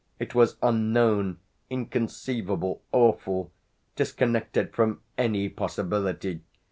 It was unknown, inconceivable, awful, disconnected from any possibility!